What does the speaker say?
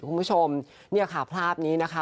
คุณผู้ชมเนี่ยค่ะภาพนี้นะคะ